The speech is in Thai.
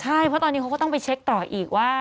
ใช่เพราะตอนนี้เขาก็ต้องไปเช็คต่ออีกว่า